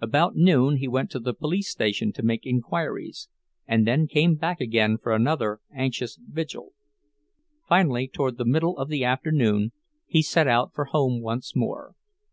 About noon he went to the police station to make inquiries, and then came back again for another anxious vigil. Finally, toward the middle of the afternoon, he set out for home once more.